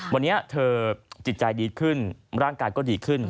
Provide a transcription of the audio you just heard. วันนี้เธอจิตใจดีขึ้นร่างกายก็ดีขึ้น